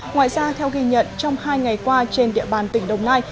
ngoài ra theo ghi nhận trong hai ngày qua trên địa bàn tỉnh đồng nai